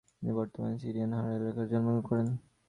তিনি বর্তমান সিরিয়ার হারান এলাকায় জন্মগ্রহণ করেন।